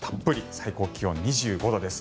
最高気温２５度です。